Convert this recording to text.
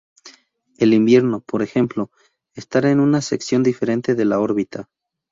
El invierno, por ejemplo, estará en una sección diferente de la órbita.